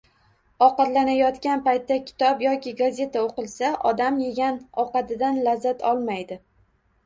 Ovqatlanayotgan paytda kitob yoki gazeta o‘qilsa, odam yegan ovqatidan lazzat olmaydi.